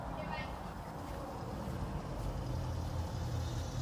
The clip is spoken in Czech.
V československé lize hrál za Jednotu Košice.